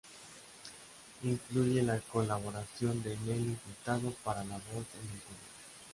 Incluye la colaboración de Nelly Furtado para la voz en el tema.